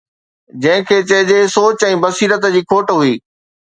جنهن کي چئجي سوچ ۽ بصيرت جي کوٽ هئي.